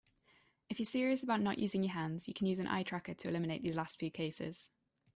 If you're serious about not using your hands, you can use an eye tracker to eliminate these last few cases.